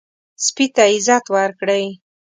سپي ته عزت ورکړئ.